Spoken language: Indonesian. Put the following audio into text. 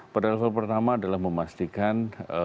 pada level pertama adalah memastikan